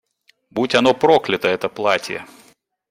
Будь оно проклято, это платье!